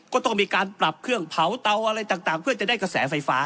ก็ต้องมีการปรับเครื่องเผาเตาอะไรต่างเพื่อจะได้กระแสไฟฟ้า